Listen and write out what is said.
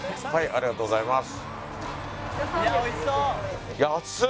ありがとうございます。